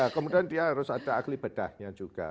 kemudian dia harus ada ahli bedahnya juga